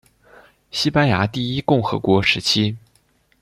西班牙第一共和国时期。